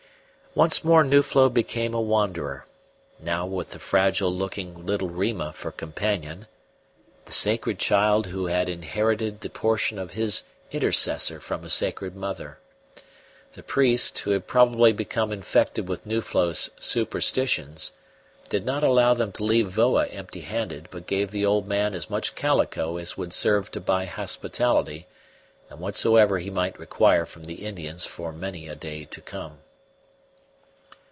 Once more Nuflo became a wanderer, now with the fragile looking little Rima for companion, the sacred child who had inherited the position of his intercessor from a sacred mother. The priest, who had probably become infected with Nuflo's superstitions, did not allow them to leave Voa empty handed, but gave the old man as much calico as would serve to buy hospitality and whatsoever he might require from the Indians for many a day to come.